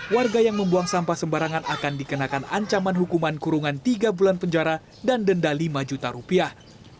warga yang membuang sampah sembarangan akan dikenakan ancaman hukuman kurungan tiga bulan penjara dan denda lima juta rupiah